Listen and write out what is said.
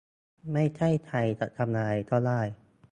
ไม่ใช่ใครจะทำอะไรก็ได้